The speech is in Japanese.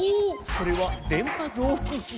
それは電波増幅器。